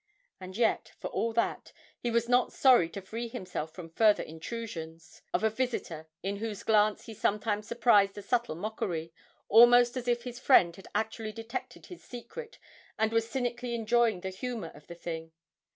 And yet, for all that, he was not sorry to free himself from further intrusions of a visitor in whose glance he sometimes surprised a subtle mockery, almost as if his friend had actually detected his secret and was cynically enjoying the humour of the thing.